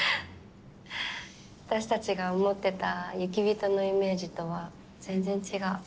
私たちが思ってた雪人のイメージとは全然違う。